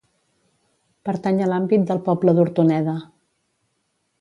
Pertany a l'àmbit del poble d'Hortoneda.